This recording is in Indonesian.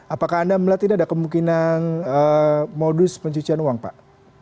apakah anda melihat ini ada kemungkinan modus pencucian uang pak